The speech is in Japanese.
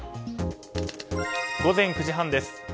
午前９時半です。